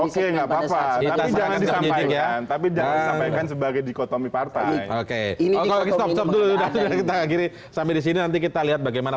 tapi jangan disampaikan sebagai dikotomi partai oke ini sampai disini nanti kita lihat bagaimana